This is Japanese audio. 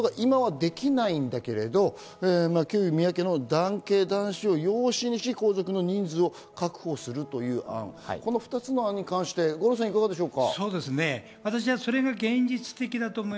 さらに養子をすることは今はできないんだけれど、旧宮家の男系男子を養子にし、皇族の人数を確保するという案、この２つの案に関して五郎さん、いかがでしょうか。